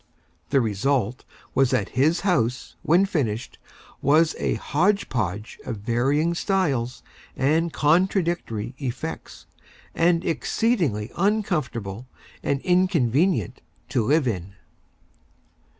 The Result was that his House, when finished, was a Hodge Podge of Varying Styles and Contradictory Effects, and Exceedingly Uncomfortable and Inconvenient to Live In.